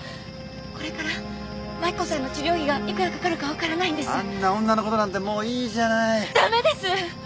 これから真紀子さんの治療費がいくらかかるか分からないんですあんな女のことなんてもういいじゃなダメです！